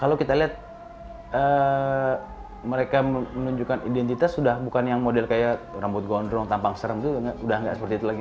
kalau kita lihat mereka menunjukkan identitas sudah bukan yang model kayak rambut gondrong tampang serem itu udah nggak seperti itu lagi